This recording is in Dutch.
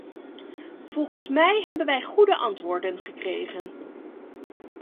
Volgens mij hebben wij goede antwoorden gekregen.